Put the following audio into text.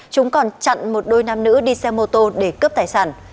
chúng còn chặn một đôi nam nữ đi xe mô tô để cướp tài sản